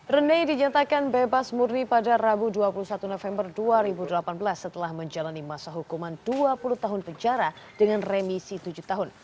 rene dinyatakan bebas murni pada rabu dua puluh satu november dua ribu delapan belas setelah menjalani masa hukuman dua puluh tahun penjara dengan remisi tujuh tahun